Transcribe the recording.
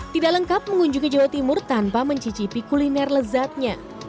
tidak lengkap mengunjungi jawa timur tanpa mencicipi kuliner lezatnya